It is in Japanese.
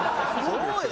そうよ。